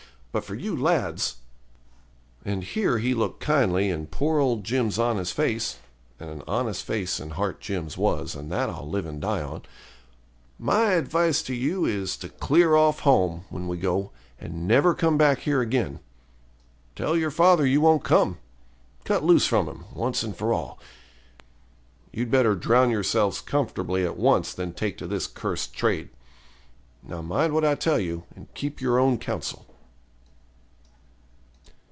But for you lads' and here he looked kindly in poor old Jim's honest face (and an honest face and heart Jim's was, and that I'll live and die on) 'my advice to you is, to clear off home, when we go, and never come back here again. Tell your father you won't come; cut loose from him, once and for all. You'd better drown yourselves comfortably at once than take to this cursed trade. Now, mind what I tell you, and keep your own counsel.'